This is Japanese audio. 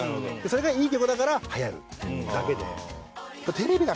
それがいい曲だからはやるってだけで。